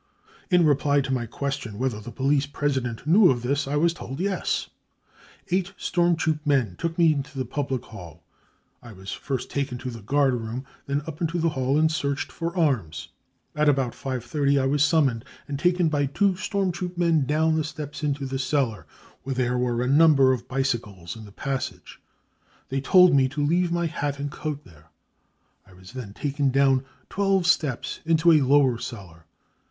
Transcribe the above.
In reply to my question whether the police president knew of this, I was told £ Yes.' Eight storm troop men took me to the public hall. I was first taken tcfthe guard room, then up into the hall and searched for arms. At about 5.30 I was summoned, and taken by two storm troop men down the steps into the cellar, where there were a number of bicycles in the passage. They told me to leave my hat and coat there. I was then taken down twelve steps into a lower cellar.